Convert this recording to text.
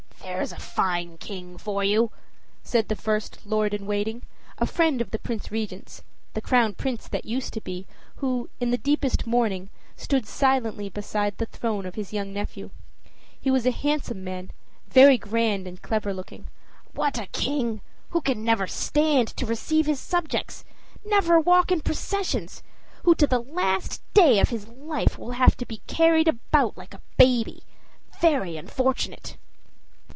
"There's a fine king for you!" said the first lord in waiting, a friend of the Prince Regent's (the Crown Prince that used to be, who, in the deepest mourning, stood silently beside the throne of his young nephew. He was a handsome man, very grand and clever looking). "What a king! who can never stand to receive his subjects, never walk in processions, who to the last day of his life will have to be carried about like a baby. Very unfortunate!"